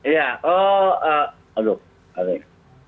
iya oh aduh